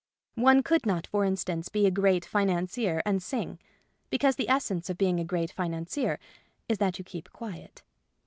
One could not, for instance, be a great financier and sing ; because the essence of being a great financier is that you keep quiet.